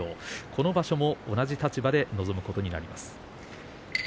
この場所も同じ立場で臨むことになります。